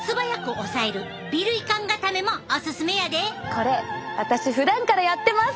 これ私ふだんからやってます！